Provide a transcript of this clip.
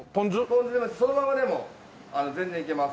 ポン酢でもそのままでも全然いけます。